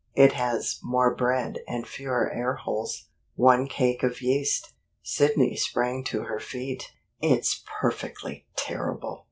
It has more bread and fewer air holes. One cake of yeast " Sidney sprang to her feet. "It's perfectly terrible!"